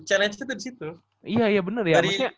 challenge nya itu di situ iya iya bener ya